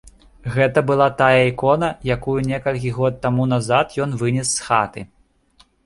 Гэта была тая ікона, якую некалькі год таму назад ён вынес з хаты.